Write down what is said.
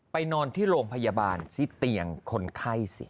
นอนที่โรงพยาบาลซิเตียงคนไข้สิ